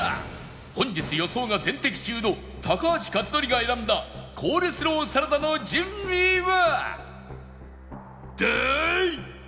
本日予想が全的中の高橋克典が選んだコールスローサラダの順位は？